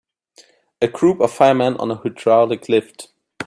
A group of firemen on a hydraulic lift.